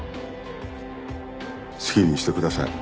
好きにしてください。